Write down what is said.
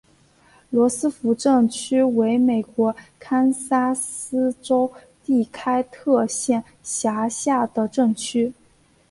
罗斯福镇区为美国堪萨斯州第开特县辖下的镇区。